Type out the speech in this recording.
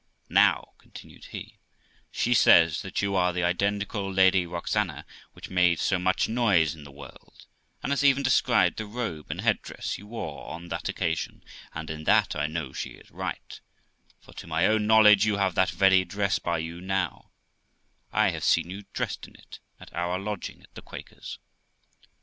Now', continued he, ' she says that you are the identical Lady Roxana which made so much noise in the world, and has even described the robe and head dress you wore on that occasion, and in that I know she is right; for, to my own knowledge, you have that very dress by you now ; I having seen you dressed in it at our lodging at the Quaker's.